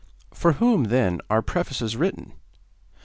For whom, then, are prefaces written?